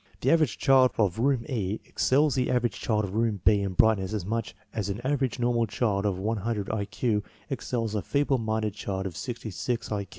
The average child of room E excels the aver age child of room B in brightness as much as an aver* age normal child of 100 1 Q excels a feeble minded child of 66 1 Q.